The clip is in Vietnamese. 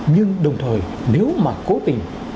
nhưng đồng thời nếu mà cố tình